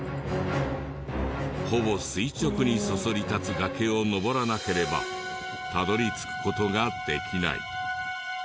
ほぼ垂直にそそり立つ崖を登らなければたどり着く事ができない。